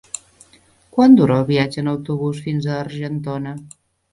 Quant dura el viatge en autobús fins a Argentona?